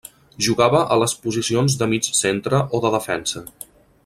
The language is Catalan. Jugava a les posicions de mig centre o de defensa.